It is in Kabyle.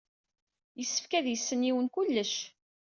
Yessefk ad yessen yiwen kullec.